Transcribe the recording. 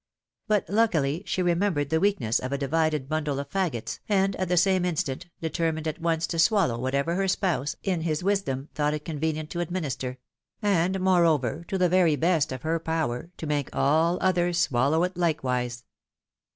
But luckily, she remembered the weakness of a divided bundle of fagots, and at the same instant, determined at once to swallow what ever her spouse, in his wisdom, thought it convenient to ad minister ; and moreover, to the very best of her power, to make all others swallow it Hkewise.